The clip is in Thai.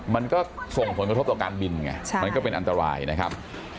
มันก็ส่งผลกระทบต่อการบินไงมันก็เป็นอันตรายนะครับ